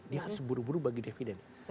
dia harus buru buru bagi dividen